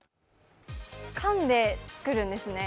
かんでつくるんですね。